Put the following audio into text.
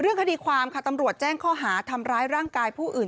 คดีความค่ะตำรวจแจ้งข้อหาทำร้ายร่างกายผู้อื่น